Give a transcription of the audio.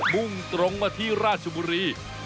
มุ่งตรงมาที่ราชบุรี